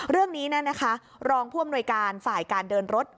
เรื่องนี้นะคะรองพ่วงหน่วยการฝ่ายการเดินรถ